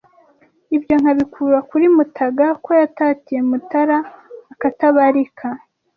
Ibyo nkabikura kuri Mutaga Ko yatatiye Mutara akatabarika